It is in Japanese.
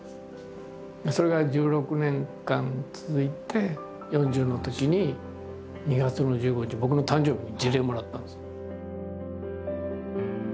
それが１６年間続いて４０のときに２月の１５日僕の誕生日に辞令をもらったんですよ。